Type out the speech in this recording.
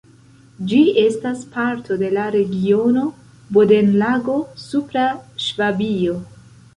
Ĝi estas parto de la regiono Bodenlago-Supra Ŝvabio.